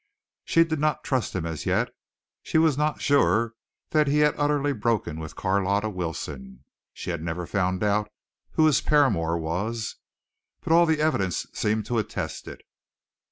She did not trust him as yet. She was not sure that he had utterly broken with Carlotta Wilson (she had never found out who his paramour was), but all the evidence seemed to attest it.